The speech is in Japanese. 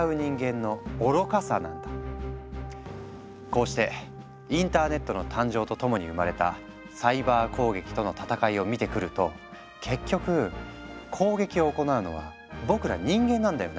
こうしてインターネットの誕生とともに生まれたサイバー攻撃との戦いを見てくると結局攻撃を行うのは僕ら人間なんだよね。